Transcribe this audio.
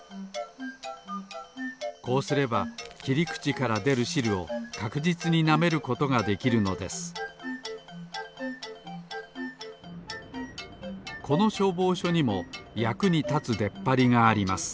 こうすればきりくちからでるしるをかくじつになめることができるのですこのしょうぼうしょにもやくにたつでっぱりがあります。